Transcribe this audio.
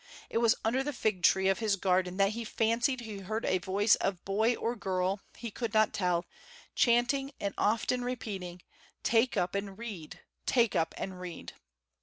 It was under the fig tree of his garden that he fancied he heard a voice of boy or girl, he could not tell, chanting and often repeating, "Take up and read; take up and read."